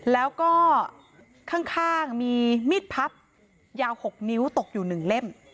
แล้วก็ข้างข้างมีมิดพับยาวหกนิ้วตกอยู่หนึ่งเล่ม